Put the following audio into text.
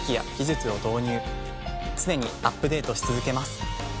常にアップデートし続けます。